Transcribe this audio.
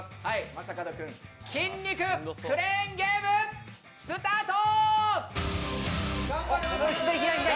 正門君、筋肉クレーンゲーム、スタート！